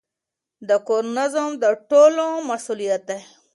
د کور نظم د ټولو مسئولیت دی.